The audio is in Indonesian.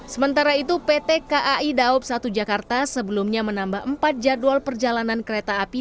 sementara itu pt kai daob satu jakarta sebelumnya menambah empat jadwal perjalanan kereta api